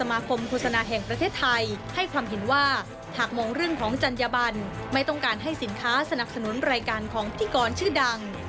ไม่ต้องการให้สินค้าสนับสนุนรายการของพิกรชื่อดัง